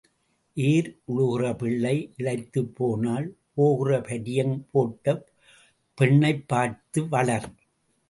ஏர் உழுகிற பிள்ளை இளைத்துப் போனால் போகிறது பரியம் போட்ட பெண்ணைப் பார்த்து வளர்.